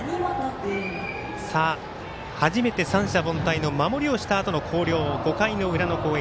初めて三者凡退の守りをしたあとの広陵５回の裏の攻撃。